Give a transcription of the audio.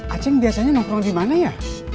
aceng biasanya nongkrong di mana ya